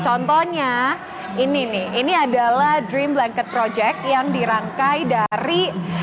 contohnya ini nih ini adalah dream blanket project yang dirangkai dari